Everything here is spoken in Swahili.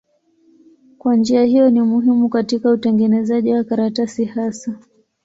Kwa njia hiyo ni muhimu katika utengenezaji wa karatasi hasa.